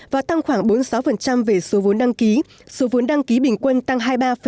và tăng khoảng bốn mươi sáu về số vốn đăng ký số vốn đăng ký bình quân tăng hai mươi ba năm